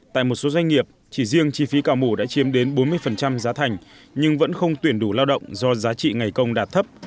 tại một số doanh nghiệp chỉ riêng chi phí cả mũ đã chiếm đến bốn mươi giá thành nhưng vẫn không tuyển đủ lao động do giá trị ngày công đạt thấp